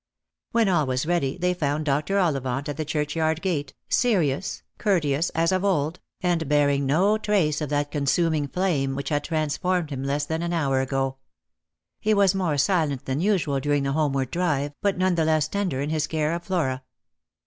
When all was ready, they found Dr. Ollivant at the church yard gate, serious, courteous as of old, and bearing no trace of that consuming flame which had transformed him less than an hour ago. He was more silent than usual during the homeward drive, but none the less tender in his care of Flora.